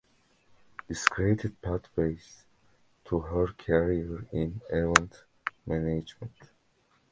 This created pathways to her career in event management.